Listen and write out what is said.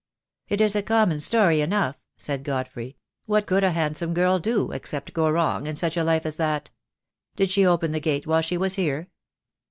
"It is a common story enough," said Godfrey, "what could a handsome girl do — except go wrong — in such a life as that. Did she open the gate while she was here?"